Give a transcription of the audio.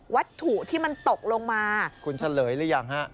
วัตถุที่มันตกลงมาคุณเฉลยหรือยังฮะ